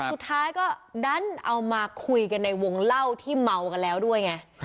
สุดท้ายก็ดันเอามาคุยกันในวงเล่าที่เมากันแล้วด้วยไง